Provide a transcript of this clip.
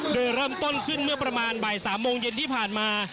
โดยเริ่มต้นขึ้นเมื่อประมาณบ่าย๓โมงเย็นที่ผ่านมา